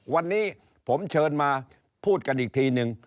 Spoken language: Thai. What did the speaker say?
วันนี้ผมเชิญมาพูดกันอีกทีนึง